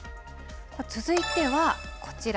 続いては、こちら。